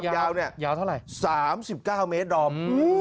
แล้วความยาวเนี่ย๓๙เมตรโดม